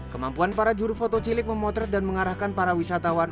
kemampuan para juru foto cilik memotret dan mengarahkan para wisatawan